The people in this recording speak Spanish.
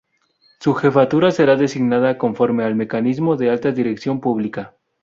Su jefatura será designada conforme al mecanismo de Alta Dirección Pública.